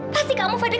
pasti kamu fadil